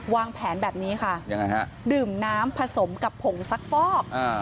วางแผนแบบนี้ค่ะยังไงฮะดื่มน้ำผสมกับผงซักฟอก